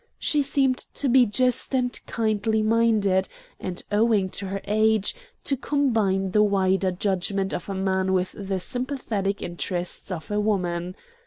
She seemed to be just and kindly minded, and, owing to her age, to combine the wider judgment of a man with the sympathetic interest of a woman.